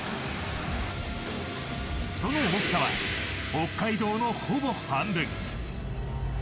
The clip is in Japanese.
その大きさは北海道のほぼ半分。